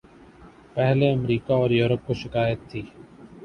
پہلے امریکہ اور یورپ کو شکایت تھی۔